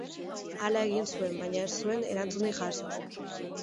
Hala egin zuen, baina ez zuen erantzunik jaso.